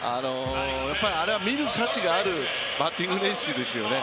あれは見る価値があるバッティング練習ですよね。